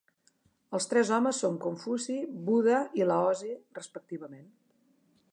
Els tres homes són Confuci, Buda i Laozi, respectivament.